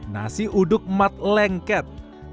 nasi uduk mat lengket